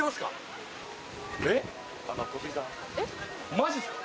マジっすか！